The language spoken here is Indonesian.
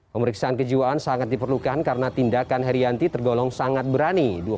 pemeriksaan kejiwaan sangat diperlukan karena tindakan herianti tergolong sangat berani